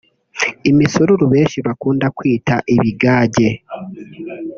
Imisururu benshi bakunda kwita ibigage